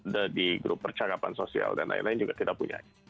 di grup percakapan sosial dan lain lain juga tidak punya